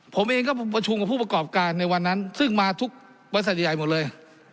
ผมเองก็ประชุมกับผู้ประกอบการในวันนั้นซึ่งมาทุกบริษัทใหญ่หมดเลย